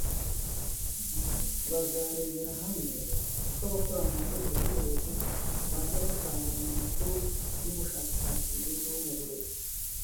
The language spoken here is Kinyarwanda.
Bazarebera hamwe uko abakora mu nzego z’uburezi bajya basaranganya amakuru n’ubushakashatsi bigezweho mu burezi